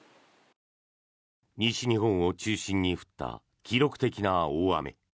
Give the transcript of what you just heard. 西日本を中心に降った記録的な大雨。